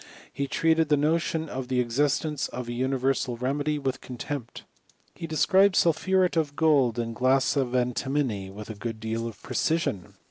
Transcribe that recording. He treated the notion of the existence of a universal remedy with contempt. He described sulphuret of gold and glass of antimony with a good deal of precision.